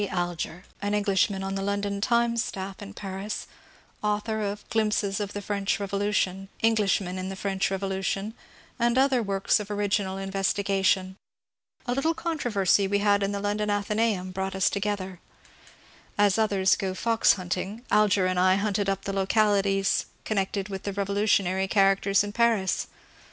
Alger, an Englishman on the London ^^ Times " staff in Paris, author of " Glimpses of the French Revolution," " Eng lishmen in the French Revolution," and other works of origi nal investigation. A little controversy we had in the London 440 MONCUBE DANIEL CONWAY ^^ Atheiueum " brought us together. As others go fox hunting, Alger and I hunted up the localities connected with revolu lutionary characters in Paris.